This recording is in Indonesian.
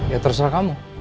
ya terserah kamu